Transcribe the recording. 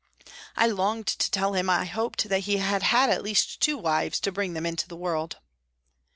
I longed to tell him I hoped that he had had at least two wives to bring them into the world